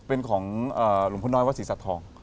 เป็นของหลวงพระน้อยวัศษีสัตว์ทอง